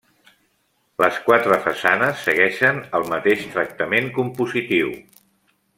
Les quatre façanes segueixen el mateix tractament compositiu.